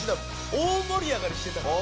大もり上がりしてたから。